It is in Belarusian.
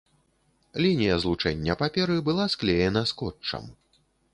Лінія злучэння паперы была склеена скотчам.